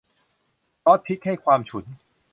ซอสพริกให้ความฉุน